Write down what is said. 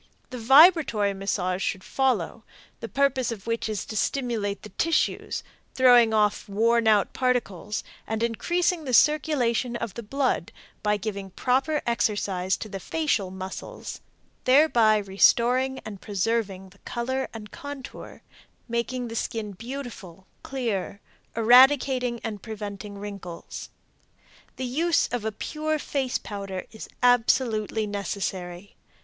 The vibratory massage should follow, the purpose of which is to stimulate the tissues, throwing off worn out particles and increasing the circulation of the blood by giving proper exercise to the facial muscles, thereby restoring and preserving the color and contour, making the skin beautiful, clear, eradicating and preventing wrinkles. The use of a pure face powder is absolutely necessary.